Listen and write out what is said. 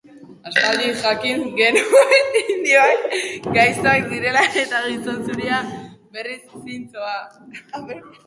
Aspaldi jakin genuen indioak gaiztoak zirela eta gizon zuria, berriz, zintzoa.